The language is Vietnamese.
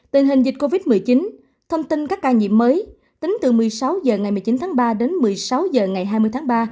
tình hình dịch covid một mươi chín thông tin các ca nhiễm mới tính từ một mươi sáu h ngày một mươi chín tháng ba đến một mươi sáu h ngày hai mươi tháng ba